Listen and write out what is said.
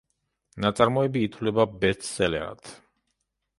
ნაწარმოები ითვლება ბესტსელერად.